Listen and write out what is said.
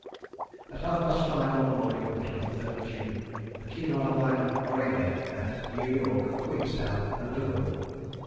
At half past five on the morning of the 23rd of June, the Cunard liner Aurania left New York for Queenstown and Liverpool.